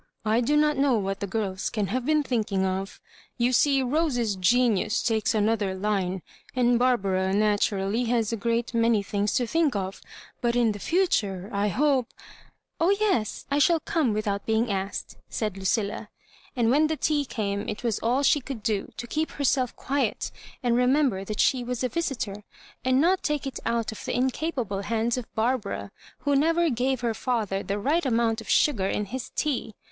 "I do not know what the girls can have been thinking of. You see Rose's genius takes another line; and Bar bara, naturally, has a great many thmgs to think of; but in the future, I hope—'* " Oh, yes; I shall come without being asked," said Lucilla. And when the tea came it was all she could do to keep herself quiet, and remem ber that she was a visitor, and not take it out of the incapable hands of Barbara, who never gave her father the right amount of sugar in his tea.